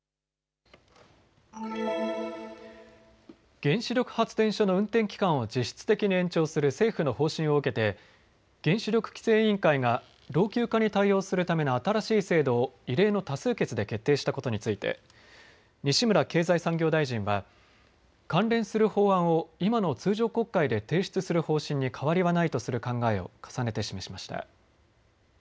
原子力発電所の運転期間を実質的に延長する政府の方針を受けて原子力規制委員会が老朽化に対応するための新しい制度を異例の多数決で決定したことについて西村経済産業大臣は関連する法案を今の通常国会で提出する方針に変わりはないとする考えを重ねて示しました。